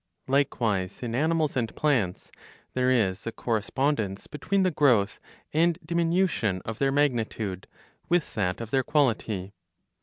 Likewise in animals and plants there is a correspondence between the growth and diminution of their magnitude, with that of their quality.